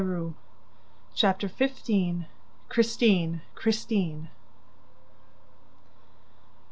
Chapter XV Christine! Christine!